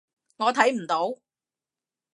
我睇唔到